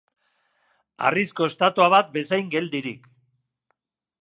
Harrizko estatua bat bezain geldirik.